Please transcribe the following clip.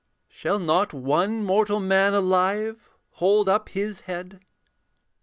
Shall not one mortal man alive Hold up his head?